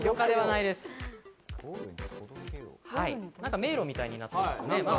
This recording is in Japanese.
迷路みたいになっていますね。